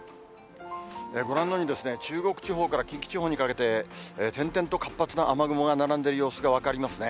ご覧のように、中国地方から近畿地方にかけて、点々と活発な雨雲が並んでいる様子が分かりますね。